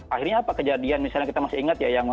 akhirnya apa kejadian misalnya kita masih ingat ya yang